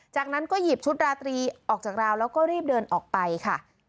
จากนั้นก็หยิบชุดราตรีออกจากราวแล้วก็รีบเดินออกไปค่ะ